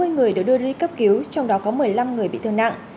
bốn mươi người đều đưa đi cấp cứu trong đó có một mươi năm người bị thương nặng